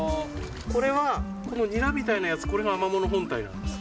これは、このニラみたいなやつ、これがアマモの本体なんです。